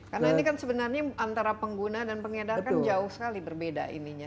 karena ini kan sebenarnya antara pengguna dan pengedar kan jauh sekali berbeda ininya